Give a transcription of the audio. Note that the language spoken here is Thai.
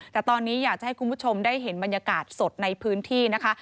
แต่ตอนนี้อยากจะให้คุณผู้ชมได้เห็นบรรยากาศสดในพื้นที่นะคะ